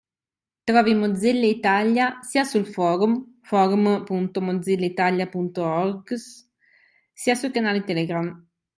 Trovi Mozilla Italia sia sul forum (forum.mozillaitalia.orgs) sia sui canali Telegram.